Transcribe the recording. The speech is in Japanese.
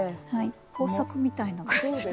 工作みたいな感じで。